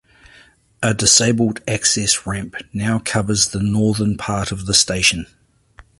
A disabled access ramp now covers the northern part of the station.